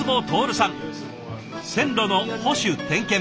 線路の保守点検